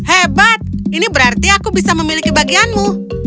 hebat ini berarti aku bisa memiliki bagianmu